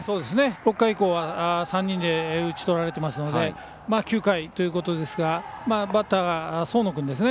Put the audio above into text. ６回以降は３人で打ち取られていますので９回ということですがバッターが僧野君ですね。